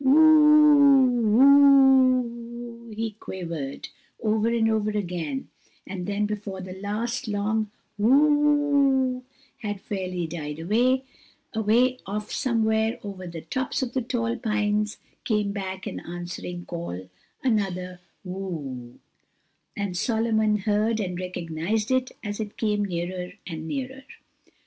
"Who ooo o o, who ooo o o," he quavered, over and over again, and then before the last long "who ooo o o" had fairly died away, away off somewhere over the tops of the tall pines came back an answering call, another "who ooo," and Solomon heard and recognized it as it came nearer and nearer.